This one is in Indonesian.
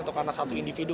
atau karena satu individu